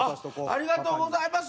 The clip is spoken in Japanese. ありがとうございます